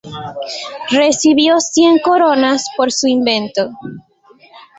Recibió cien coronas por su invento.